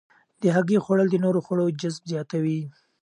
د هګۍ خوړل د نورو خوړو جذب زیاتوي.